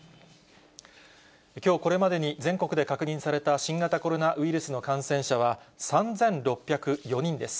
きょうこれまでに全国で確認された新型コロナウイルスの感染者は３６０４人です。